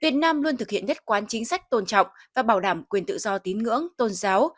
việt nam luôn thực hiện nhất quán chính sách tôn trọng và bảo đảm quyền tự do tín ngưỡng tôn giáo